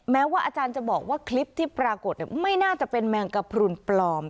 แม้ว่าอาจารย์จะบอกว่าคลิปที่ปรากฏไม่น่าจะเป็นแมงกระพรุนปลอม